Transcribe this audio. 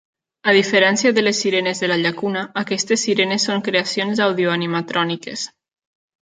A diferència de les sirenes de la llacuna, aquestes sirenes són creacions àudio-animatròniques.